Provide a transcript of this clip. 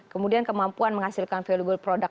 kemudian kemampuan menghasilkan valuable product